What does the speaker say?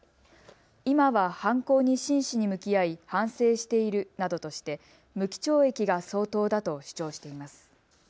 今は犯行に真摯に向き合い反省しているなどとして無期懲役が相当だと主張しています。